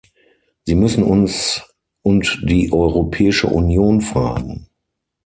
Sie müssen uns und die Europäische Union fragen.